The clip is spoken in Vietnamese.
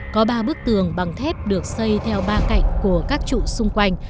có ba bức tường bằng thép được xây theo ba cạnh của các trụ xung quanh